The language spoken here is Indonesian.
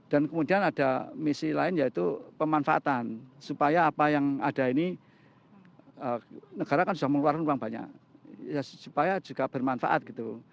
dan kemudian ada misi lain yaitu pemanfaatan supaya apa yang ada ini negara kan sudah mengeluarkan uang banyak supaya juga bermanfaat gitu